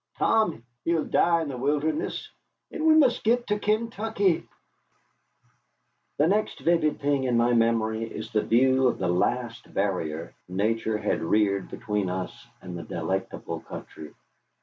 Tom, he'll die in the wilderness, and we must git to Kaintuckee." The next vivid thing in my memory is the view of the last barrier Nature had reared between us and the delectable country.